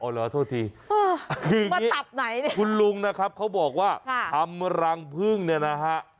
เหรอโทษทีมาตับไหนเนี่ยคุณลุงนะครับเขาบอกว่าทำรังพึ่งเนี่ยนะฮะ